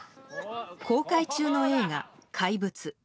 公開中の映画「怪物」。